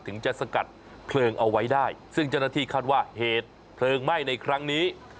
ถึงจะสกัดเพลิงเอาไว้ได้ซึ่งเจ้าหน้าที่คาดว่าเหตุเพลิงไหม้ในครั้งนี้